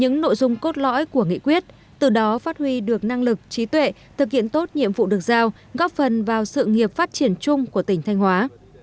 những nội dung cốt lõi của nghị quyết từ đó phát huy được năng lực trí tuệ thực hiện tốt nhiệm vụ được giao góp phần vào sự nghiệp phát triển chung của tỉnh thanh hóa